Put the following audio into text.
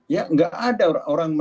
ya gak ada dong